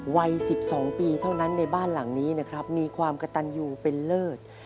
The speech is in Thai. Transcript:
วัย๑๒ปีเท่านั้นในบ้านหลังนี้นะครับมีความกระตันยูเป็นเลิศ